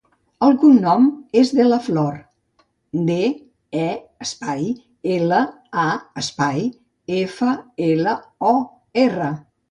El cognom és De La Flor: de, e, espai, ela, a, espai, efa, ela, o, erra.